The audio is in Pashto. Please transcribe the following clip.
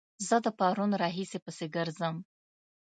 زه د پرون راهيسې پسې ګرځم